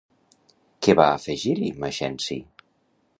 Què va afegir-hi Maxenci?